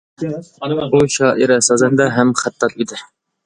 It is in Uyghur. ئۇ شائىرە، سازەندە ھەم خەتتات ئىدى.